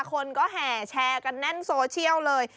คนก็แห่แชร์กันแน่นโซเชียลเลย